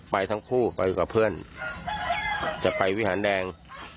ไปทั้งคู่ไปกับเพื่อนจะไปวิหารแดง